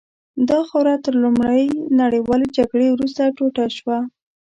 دا خاوره تر لومړۍ نړیوالې جګړې وروسته ټوټه شوه.